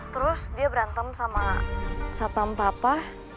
terus dia berantem sama satpam papa